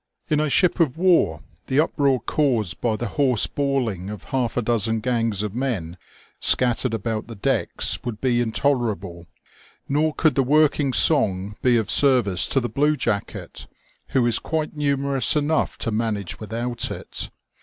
In a ship of war the uproar caused by the hoarse bawling of half a dozen gangs of men scattered about the decks would be intolerable, nor could the working song be of service to the blue jacket, who is quite numerous enough to manage without it.